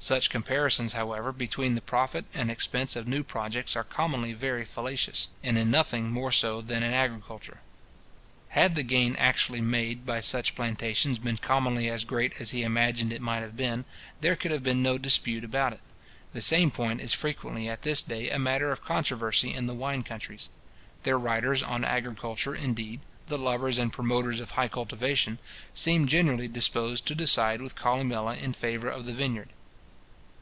Such comparisons, however, between the profit and expense of new projects are commonly very fallacious; and in nothing more so than in agriculture. Had the gain actually made by such plantations been commonly as great as he imagined it might have been, there could have been no dispute about it. The same point is frequently at this day a matter of controversy in the wine countries. Their writers on agriculture, indeed, the lovers and promoters of high cultivation, seem generally disposed to decide with Columella in favour of the vineyard.